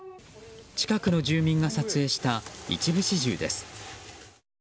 近くの住民が撮影した一部始終です。